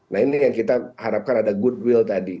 nah ini yang kita harapkan ada goodwill tadi